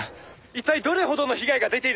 「一体どれほどの被害が出ているのか」